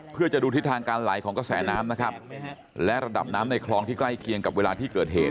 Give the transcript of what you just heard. เพื่อจะดูทิศทางการไหลของกระแสน้ำนะครับและระดับน้ำในคลองที่ใกล้เคียงกับเวลาที่เกิดเหตุ